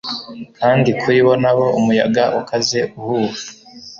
kandi kuri bo nabo umuyaga ukaze uhuha